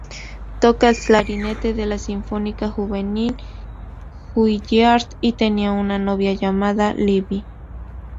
Tocaba el clarinete en la Sinfónica Juvenil "Juilliard" y tenía una novia llamada Libby.